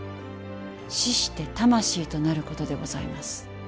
死して魂となることでございます。